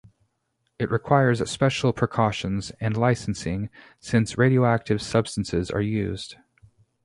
It requires special precautions and licensing, since radioactive substances are used.